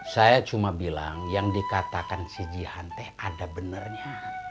saya cuma bilang yang dikatakan si jihan teh ada benarnya